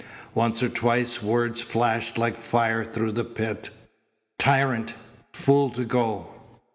Once or twice words flashed like fire through the pit: "Tyrant! Fool to go."